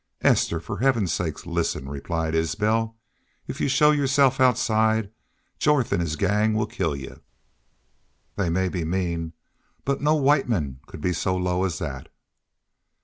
"Esther, for Heaven's sake, listen," replied Isbel. "If y'u show yourself outside, Jorth an' his gang will kin y'u." "They may be mean, but no white men could be so low as that."